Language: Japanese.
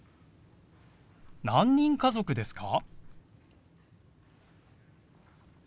何人家族ですか？